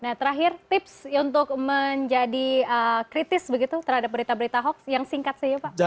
nah terakhir tips untuk menjadi kritis begitu terhadap berita berita hoax yang singkat saja pak